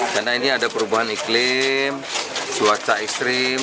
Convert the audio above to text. karena ini ada perubahan iklim cuaca ekstrim